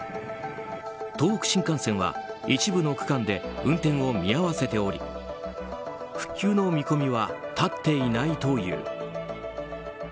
東北新幹線は、一部の区間で運転を見合わせており復旧の見込みは立っていないという。